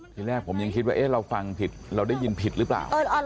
ทีแรกผมยังคิดว่าเราฟังผิดเราได้ยินผิดหรือเปล่า